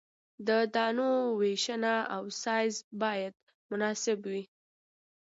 د دانو ویشنه او سایز باید مناسب وي